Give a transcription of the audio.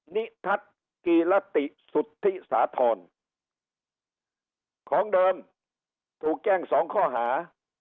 นิทัศน์กีรติสุธิสาธรของเดิมถูกแจ้งสองข้อหา